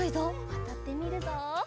わたってみるぞ。